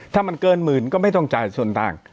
ถ้ามันเกินหมื่นก็ไม่ต้องจ่ายส่วนต่าง